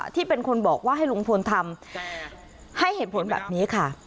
ที่เป็นคนบอกว่าให้ลุงพลทำให้เหตุผลแบบนี้ค่ะ